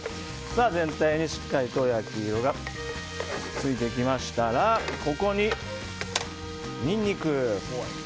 全体にしっかりと焼き色がついてきましたらここに、ニンニク。